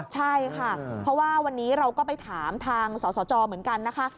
ใช่ค่ะเพราะว่าวันนี้เราก็ไปถามทางสสจเหมือนกันนะคะ